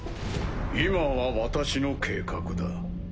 今は私の計画だ。